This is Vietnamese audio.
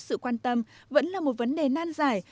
sự quan tâm vẫn là một vấn đề nan giải